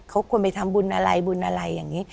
เขาควรไปทำบุญอะไรบุญอะไรอย่างนี้